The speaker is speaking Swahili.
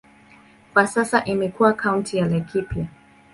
Kwa sasa imekuwa kaunti ya Laikipia.